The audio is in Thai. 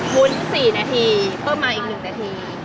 วุ้น๔นาทีเพิ่มมาอีก๑นาที